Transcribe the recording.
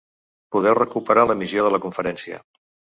Podeu recuperar l’emissió de la conferència.